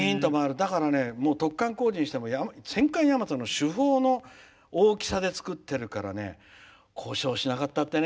だから、突貫工事にしても戦艦大和の主砲の大きさで作ってるからね故障しなかったってね。